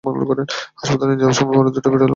হাসপাতালে নিয়ে যাবার পরপরই দুটা বিড়ালই মারা যায়।